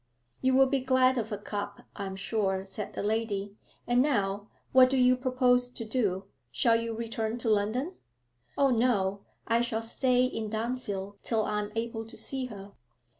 'You will be glad of a cup, I am sure,' said the lady. 'And now, what do you propose to do? Shall you return to London?' 'Oh, no! I shall stay in Dunfield till I am able to see her.'